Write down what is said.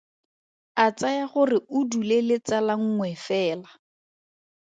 A tsaya gore o dule le tsala nngwe fela.